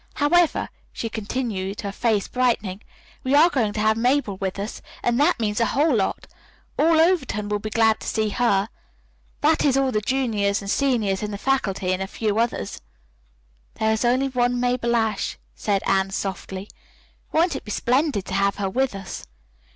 However," she continued, her face brightening, "we are going to have Mabel with us, and that means a whole lot. All Overton will be glad to see her that is, all the juniors and seniors and the faculty and a few others." "There is only one Mabel Ashe," said Anne softly. "Won't it be splendid to have her with us?"